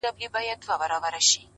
نور به نو څه وکړي مرگی تاته رسوا به سم’